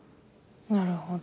なるほど。